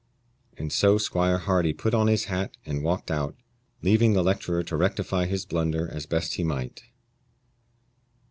And so Squire Hardy put on his hat and walked out, leaving the lecturer to rectify his blunder as best he might.